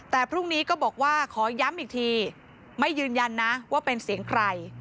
แต่พรุ่งนี้ก็บอกว่าขอย้ำอีกทีไม่ยืนยันนะว่าเป็นเสียงใคร